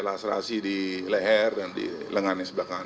laserasi di leher dan di lengan yang sebelah kanan